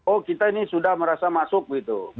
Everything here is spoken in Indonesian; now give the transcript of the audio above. oh kita ini sudah merasa masuk gitu